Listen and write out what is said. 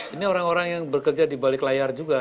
ini orang orang yang bekerja di balik layar juga